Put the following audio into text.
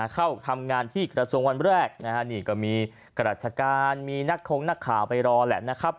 เข้าทำงานที่กระทรวงวันแรกนะฮะนี่ก็มีกระราชการมีนักคงนักข่าวไปรอแหละนะครับ